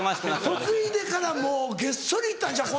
嫁いでからもうげっそり行ったんちゃう？